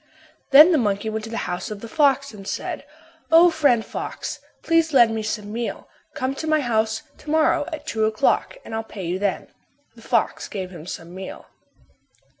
Then the monkey went to the house of the fox and said, "O, friend fox, please lend me some meal. Come to my house to morrow at two o'clock and I'll pay you then." The fox gave him some meal.